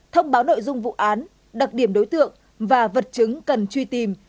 thông báo nội dung vụ án đặc điểm đối tượng và vật chứng cần truy tìm